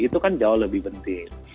itu kan jauh lebih penting